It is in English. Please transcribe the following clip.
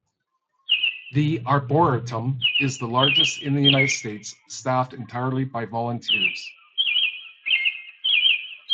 The arboretum is the largest in the United States staffed entirely by volunteers.